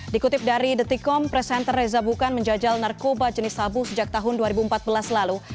dikutip dari detikom presenter reza bukan menjajal narkoba jenis sabu sejak tahun dua ribu empat belas lalu